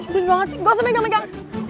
bener banget sih gak usah megang megang